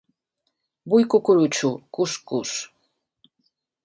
Vull cucurutxo, cus cus.